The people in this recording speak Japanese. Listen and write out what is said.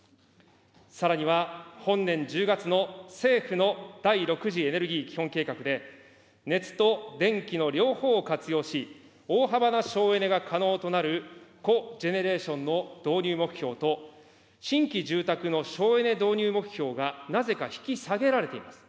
さらには本年１０月の政府の第６次エネルギー基本計画で、熱と電気の両方を活用し、大幅な省エネが可能となる、コジェネレーションの導入目標と、新規住宅の省エネ導入目標が、なぜか引き下げられています。